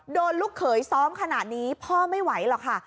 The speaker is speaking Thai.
ลูกเขยซ้อมขนาดนี้พ่อไม่ไหวหรอกค่ะ